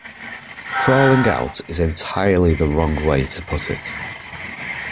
'Crawling out' is entirely the wrong way to put it.